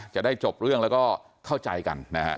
จะได้จบเรื่องแล้วก็เข้าใจกันนะฮะ